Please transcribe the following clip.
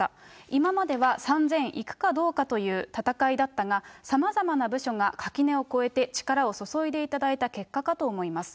今までは３０００いくかどうかという戦いだったが、さまざまな部署が垣根を越えて力を注いでいただいた結果かと思います。